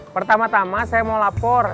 pertama tama saya mau lapor